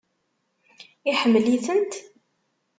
Iḥemmel-itent?